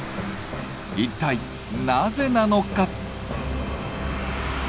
一体なぜなのか？